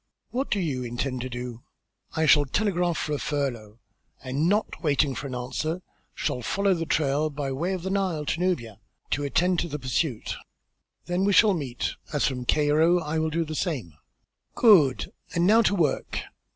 What do you intend to do?" "I shall telegraph for a furlough, and not waiting for an answer, shall follow then trail by way of the Nile to Nubia, to attend to the pursuit." "Then we shall meet, as from Cairo I shall do the same." "Good! And now to work!"